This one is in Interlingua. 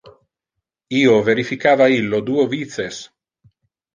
Io verificava illo duo vices.